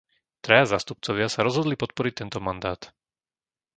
Traja zástupcovia sa rozhodli podporiť tento mandát.